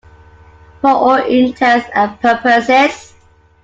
For all intents and purposes.